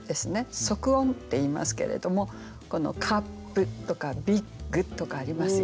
促音っていいますけれども「カップ」とか「ビッグ」とかありますよね。